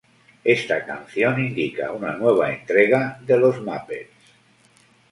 Está canción indica una nueva entrega de "Los Muppets".